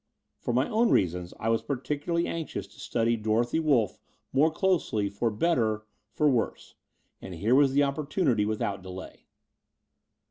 For my own reasons I was particularly anxious to study Dorothy Wolff more closely for better, for worse: and here was the opportunity without delay.